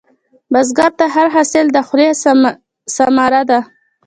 بزګر ته هر حاصل د خولې ثمره ده